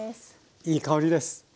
いやいい香りです。